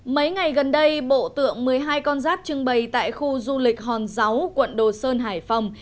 mấy ngày gần đây bộ tượng một mươi hai con giáp trưng bày tại khu du lịch hòn giáo quận đồ sơn hải phòng